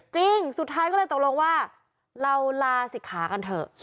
จริงสุดท้ายก็เลยตกลงว่าเราลาศิกขากันเถอะ